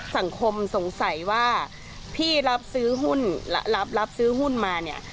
สังคมสงสัยว่าพี่รับซื้อหุ้นรับซื้อหุ้นมาเนี่ย